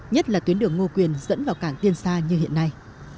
nhất là tuyến đường ngô quyền dẫn vào cảng tiên sa như hiện nay